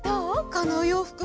このおようふく。